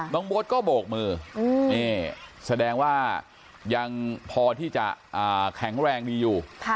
น้องโบ๊ทก็โบกมืออืมนี่แสดงว่ายังพอที่จะอ่าแข็งแรงดีอยู่ค่ะ